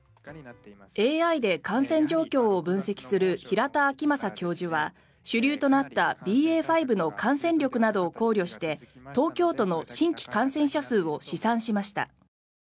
ＡＩで感染状況を分析する平田晃正教授は主流となったＢＡ．５の感染力などを考慮して東京都の新規感染者数を試算しました。